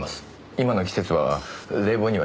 今の季節は冷房にはしないですよね。